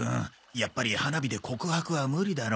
やっぱり花火で告白は無理だろう。